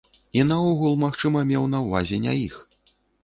І наогул, магчыма, меў на ўвазе не іх.